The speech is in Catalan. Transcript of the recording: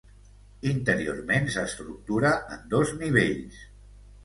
Interiorment s'estructura en dos nivells.